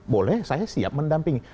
boleh saya siap mendampingi